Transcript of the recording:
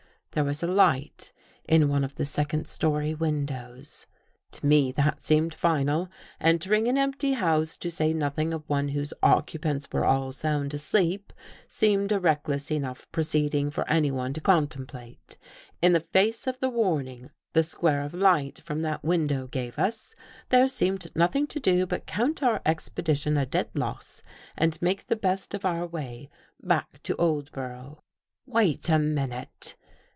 There was a light in one of the second story windows. To me, that seemed final. Entering an empty house, to say nothing of one whose occupants were all sound asleep, seemed a reckless enough proceeding for anyone to contemplate. In the face of the warning the square of light from that window gave us, there seemed nothing to do but count our expedi tion a dead loss and make the best of our way back to Oldborough. 15 217 THE GHOST GIRL "Wait a minute!"